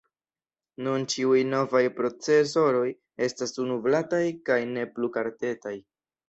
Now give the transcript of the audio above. Nun ĉiuj novaj procesoroj estas unu-blataj kaj ne plu kartetaj.